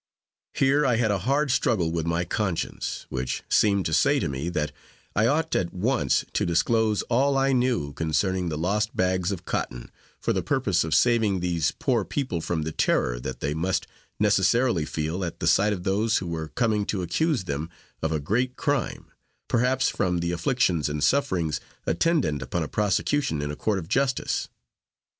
Here I had a hard struggle with my conscience, which seemed to say to me, that I ought at once to disclose all I knew concerning the lost bags of cotton, for the purpose of saving these poor people from the terror that they must necessarily feel at the sight of those who were coming to accuse them of a great crime, perhaps from the afflictions and sufferings attendant upon a prosecution in a court of justice.